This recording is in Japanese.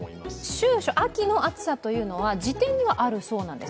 秋暑、秋の暑さというのは辞典にはあるそうなんです。